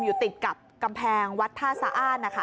อยู่ติดกับกำแพงวัดท่าสะอ้านนะคะ